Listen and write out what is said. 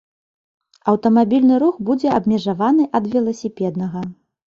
Аўтамабільны рух будзе абмежаваны ад веласіпеднага.